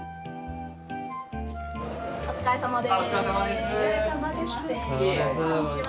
お疲れさまです。